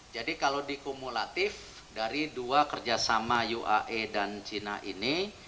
jadi kalau dikumulatif dari dua kerjasama uae dan cina ini